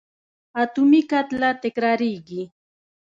اتومي کتله تکرارېږي.